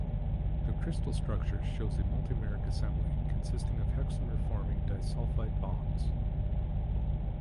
The crystal structure shows a multimeric assembly consisting of hexamer-forming disulfide bonds.